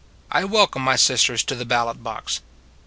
I welcome my sisters to the ballot box.